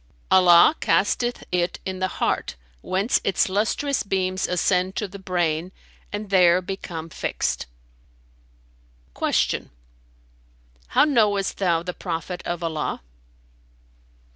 "—"Allah casteth it in the heart whence its lustrous beams ascend to the brain and there become fixed." Q "How knowest thou the Prophet of Allah?"